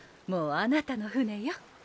もうあなたの船よ。